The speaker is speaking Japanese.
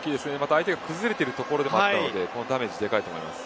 相手が崩れているところだったのでこのダメージはでかいと思います。